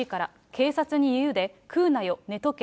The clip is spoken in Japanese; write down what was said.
警察に言うで、食うなよ、寝とけ。